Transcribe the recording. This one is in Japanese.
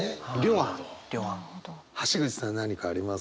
橋口さん何かあります？